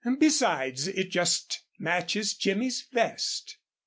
Besides, it just matches Jimmy's vest."